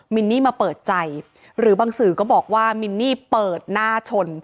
มินนี่มาเปิดใจหรือบางสื่อก็บอกว่ามินนี่เปิดหน้าชน